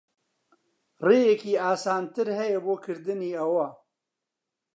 ڕێیەکی ئاسانتر ھەیە بۆ کردنی ئەوە.